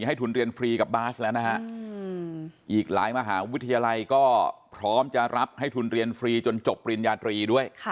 ให้ทุนเรียนฟรีกับบาสแล้วนะฮะอีกหลายมหาวิทยาลัยก็พร้อมจะรับให้ทุนเรียนฟรีจนจบปริญญาตรีด้วย